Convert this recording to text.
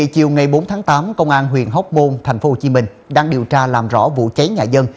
chiều ngày bốn tháng tám công an huyện hóc môn tp hcm đang điều tra làm rõ vụ cháy nhà dân